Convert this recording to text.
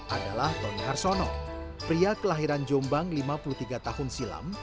adalah tony harsono pria kelahiran jombang lima puluh tiga tahun silam